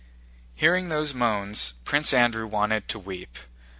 Hearing those moans Prince Andrew wanted to weep.